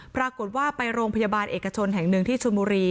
ปรากฏว่าไปโรงพยาบาลเอกชนแห่งหนึ่งที่ชนบุรี